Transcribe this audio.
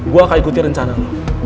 gua akan ikuti rencana lo